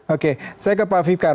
oke saya ke pak fikar